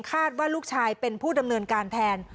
คาดว่าลูกชายเป็นผู้ดำเนินการแทน